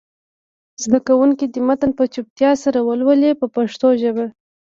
زده کوونکي دې متن په چوپتیا سره ولولي په پښتو ژبه.